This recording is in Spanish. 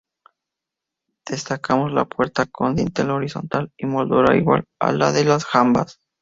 Destacamos la puerta con dintel horizontal y moldura igual a la de las jambas.